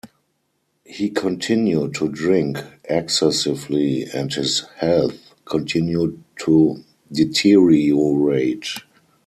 He continued to drink excessively, and his health continued to deteriorate.